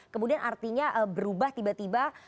kemudian artinya berubah tiba tiba